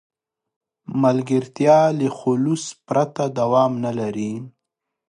ملګرتیا له خلوص پرته دوام نه لري.